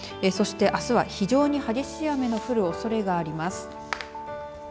そして、あすは非常に激しい雨の降るおそれがあります。